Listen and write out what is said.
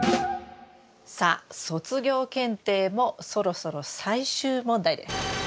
さあ卒業検定もそろそろ最終問題です。